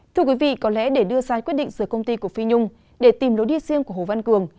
thưa quý vị có lẽ để đưa ra quyết định rời công ty của phi nhung để tìm lối đi riêng của hồ văn cường